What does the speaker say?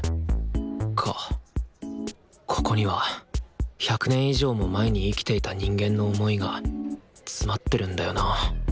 ここには１００年以上も前に生きていた人間の想いが詰まってるんだよなぁ。